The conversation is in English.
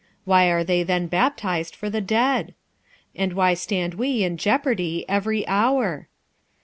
why are they then baptized for the dead? 46:015:030 And why stand we in jeopardy every hour?